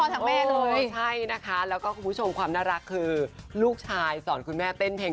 คุณพอสังเมตต์เลยแล้วก็คุณผู้ชมความน่ารักคือลูกชายสอนคุณแม่เต้นเพลงตัวเอง